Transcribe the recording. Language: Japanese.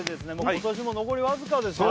今年も残りわずかですよ